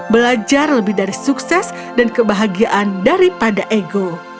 belajar lebih dari sukses dan kebahagiaan daripada ego